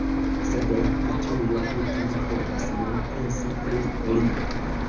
Sed la patrujo tute ne povas nun pensi pri li.